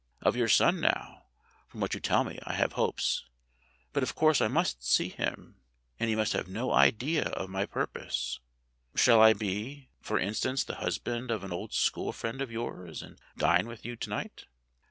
Of your son now, from what you tell me, I have hopes. But of course I must see him, and he must have no idea of my purpose. Shall I be, for instance, the husband of an old school friend of yours and dine with you to night?"